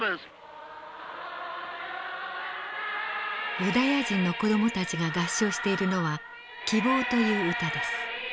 ユダヤ人の子どもたちが合唱しているのは「希望」という歌です。